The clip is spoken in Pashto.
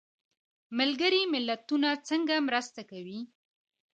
ملګري ملتونه څنګه مرسته کوي؟